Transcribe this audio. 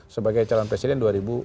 sebagai calon presiden dua ribu dua puluh